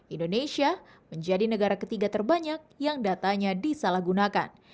indonesia menjadi negara ketiga terbanyak yang datanya disalahgunakan